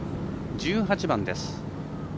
１８番です。